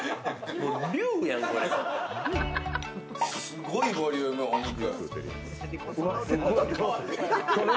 すごいボリューム、お肉。